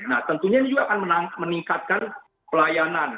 nah tentunya ini juga akan meningkatkan pelayanan